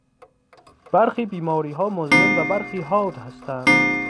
برخی بیماریها مزمن و برخی حاد هستند.